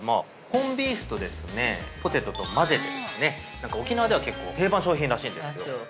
コンビーフとですね、ポテトと混ぜてですね、なんか沖縄では、結構定番商品らしいんですよ。